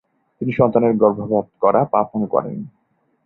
তিনি সন্তানের গর্ভপাত করা পাপ মনে করেন।